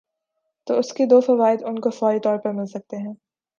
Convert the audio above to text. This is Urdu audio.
تو اس کے دو فوائد ان کو فوری طور پر مل سکتے ہیں۔